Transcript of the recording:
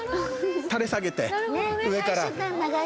垂れ下げて、上から。